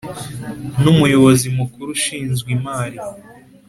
N Umuyobozi Mukuru Ushinzwe Imari